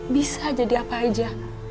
bisa jadi apa aja